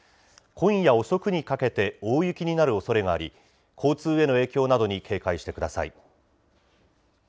今夜遅くにかけて大雪になるおそれがあり、交通への影響などに警戒してください。